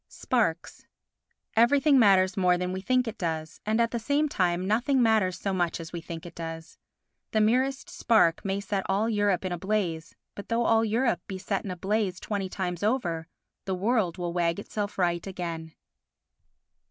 Sparks Everything matters more than we think it does, and, at the same time, nothing matters so much as we think it does. The merest spark may set all Europe in a blaze, but though all Europe be set in a blaze twenty times over, the world will wag itself right again.